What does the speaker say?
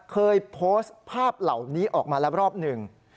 เคยโพสต์ภาพเหล่านี้ออกมาแล้วรอบหนึ่ง